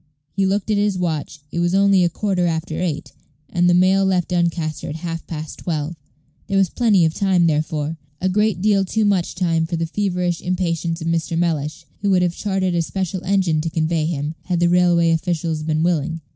He looked at his watch; it was only a quarter after eight, and the mail left Doncaster at half past twelve. There was plenty of time, therefore; a great deal too much time for the feverish impatience of Mr. Mellish, who would have chartered a special engine to convey him, had the railway officials been willing.